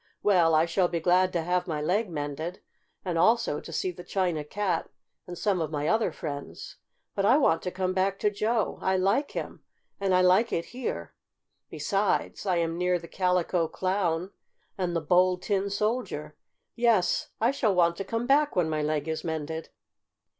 "Well, I shall be glad to have my leg mended, and also to see the China Cat and some of my other friends. But I want to come back to Joe. I like him, and I like it here. Besides, I am near the Calico Clown and the Bold Tin Soldier. Yes, I shall want to come back when my leg is mended."